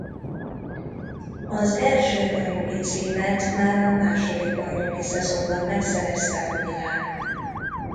Az első bajnoki címet már a második bajnoki szezonban megszerezte a Milan.